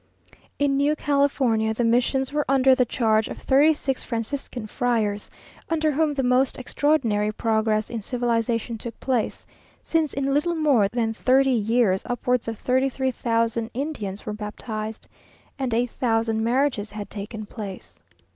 In New California, the missions were under the charge of thirty six Franciscan friars, under whom the most extraordinary progress in civilization took place; since in little more than thirty years, upwards of thirty three thousand Indians were baptized, and eight thousand marriages had taken place.